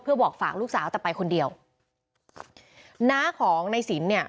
เพื่อบอกฝากลูกสาวแต่ไปคนเดียวน้าของในสินเนี่ย